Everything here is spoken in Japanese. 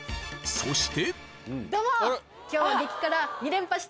そして。